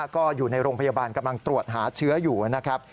ก็อยู่ในโรงพยาบาลกำลังตรวจหาเชื้ออยู่นะครับ